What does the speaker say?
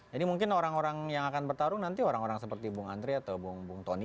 jadi mungkin orang orang yang akan bertarung nanti orang orang seperti bung andri atau bung tony ini